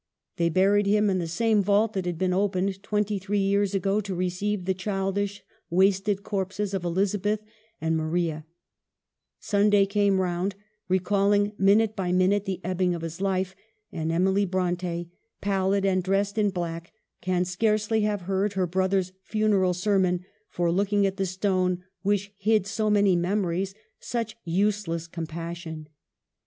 They buried him in the same vault that had been opened twenty three years ago to receive the childish, wasted corpses of Elizabeth and Maria Sunday came round, recalling minute by minute the ebbing of his life, and Emily Bronte, pallid and dressed in black, can scarcely have heard her brother's funeral sermon for looking at the stone which hid so many memories, such useless compassion.